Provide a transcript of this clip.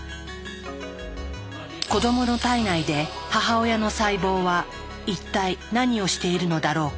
子どもの体内で母親の細胞は一体何をしているのだろうか？